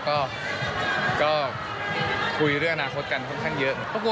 ก็คุยเรื่องอนาคตกันค่อนข้างเยอะ